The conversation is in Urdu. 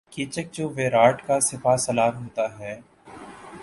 کیچک جو ویراٹ کا سپاہ سالار ہوتا ہے